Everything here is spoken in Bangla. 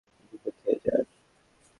কিছু তো খেয়ে যান।